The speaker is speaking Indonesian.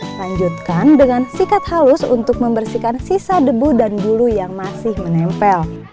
lanjutkan dengan sikat halus untuk membersihkan sisa debu dan bulu yang masih menempel